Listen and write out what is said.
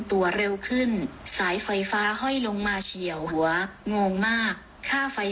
ตัวเร็วขึ้นสายไฟฟ้าห้อยลงมาเฉียวหัวงงมากค่าไฟ